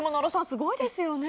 すごいですよね。